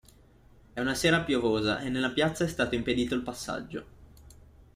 È una sera piovosa e nella piazza è stato impedito il passaggio.